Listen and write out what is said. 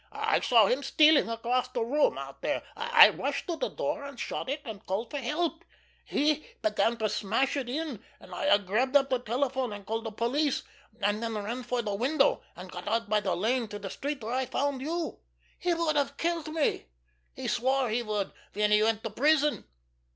I saw him stealing across that room out there. I rushed to the door, and shut it, and called for help. He began to smash it in and I grabbed up the telephone and called the police, and then ran for the window, and got out by the lane to the street where I found you. He would have killed me. He swore he would when he went to prison."